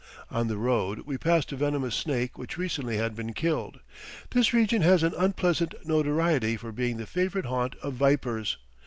On the road we passed a venomous snake which recently had been killed. This region has an unpleasant notoriety for being the favorite haunt of "vipers."